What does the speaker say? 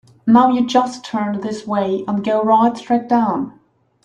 Now you just turn this way and go right straight down.